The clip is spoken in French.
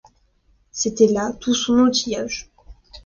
C’était là tout son outillage.